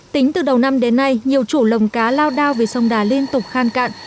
tính từ đầu năm đến nay nhiều chủ lồng cá lao đao vì sông đà liên tục khan cạn